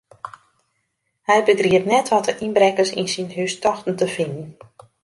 Hy begriep net wat de ynbrekkers yn syn hús tochten te finen.